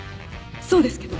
そうですけど